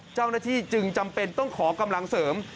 เจ้าหน้าที่จึงจำเป็นต้องขอกำลังเสริม